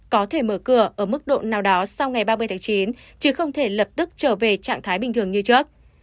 có thể mở cửa ở mức độ nào đó sau ngày ba mươi tháng chín chứ không thể lập tức trở về trạng thái bình thường như trước